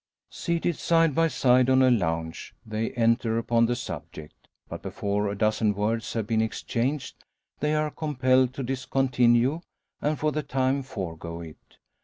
Seated side by side on a lounge, they enter upon the subject. But before a dozen words have been exchanged they are compelled to discontinue, and for the time forego it.